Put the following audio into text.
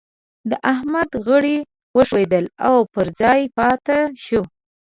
د احمد غړي وښوئېدل او پر ځای پاته شو.